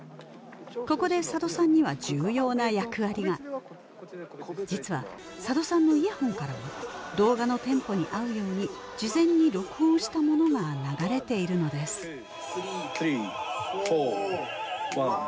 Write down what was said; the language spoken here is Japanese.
ここで佐渡さんには重要な役割が実は佐渡さんのイヤホンからは動画のテンポに合うように事前に録音したものが流れているのです３４１。